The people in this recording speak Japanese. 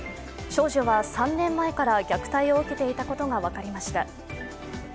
少女は３年前から虐待を受けていたことが分かりました。